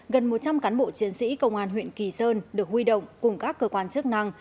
gần một trăm linh cán bộ chiến sĩ công an huyện kỳ sơn được huy động cùng các cơ quan chức năng